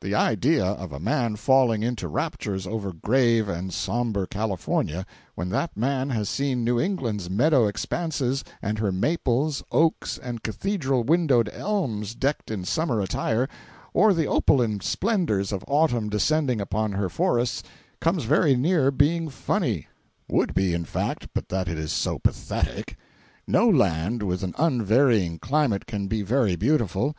The idea of a man falling into raptures over grave and sombre California, when that man has seen New England's meadow expanses and her maples, oaks and cathedral windowed elms decked in summer attire, or the opaline splendors of autumn descending upon her forests, comes very near being funny—would be, in fact, but that it is so pathetic. No land with an unvarying climate can be very beautiful.